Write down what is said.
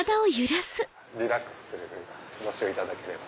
リラックスするのにご使用いただければ。